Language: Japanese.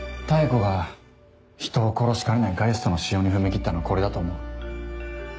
妙子が人を殺しかねないガイストの使用に踏み切ったのこれだと思う。